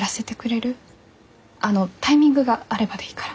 あのタイミングがあればでいいから。